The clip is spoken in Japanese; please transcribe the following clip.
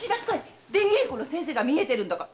出稽古の先生がみえてるんだから。